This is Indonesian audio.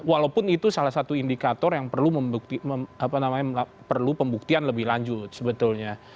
walaupun itu salah satu indikator yang perlu pembuktian lebih lanjut sebetulnya